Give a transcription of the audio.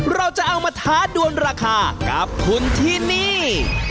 เราจะเอามาท้าดวนราคากับคุณที่นี่